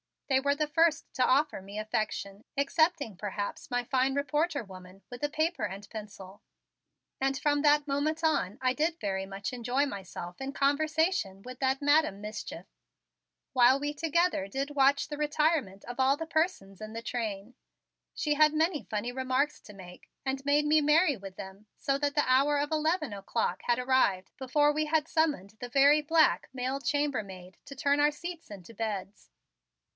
They were the first to offer me affection, excepting perhaps my fine reporter woman with the paper and pencil. And from that moment on I did very much enjoy myself in conversation with that Madam Mischief, while we together did watch the retirement of all of the persons in the train. She had many funny remarks to make and made me merry with them so that the hour of eleven o'clock had arrived before we had summoned the very black male chamber maid to turn our seats into beds.